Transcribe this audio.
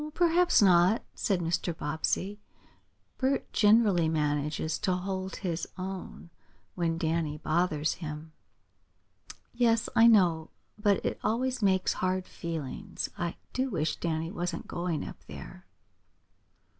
"Perhaps not," said Mr. Bobbsey. "Bert generally manages to hold his own when Danny bothers him." "Yes, I know. But it always makes hard feelings. I do wish Danny wasn't going up there."